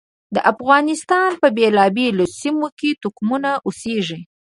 د افغانستان په بېلابېلو سیمو کې توکمونه اوسېږي.